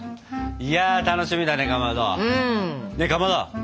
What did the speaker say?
いや楽しみだねかまど。ねかまど！